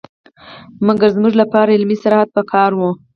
مګر زموږ لپاره علمي سرحد په کار وو.